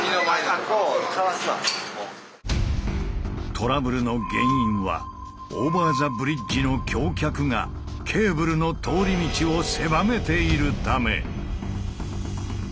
トラブルの原因はオーバー・ザ・ブリッジの橋脚がケーブルの通り道を狭めているため。